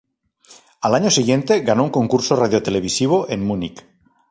Al año siguiente, ganó un concurso radio-televisivo en Múnich.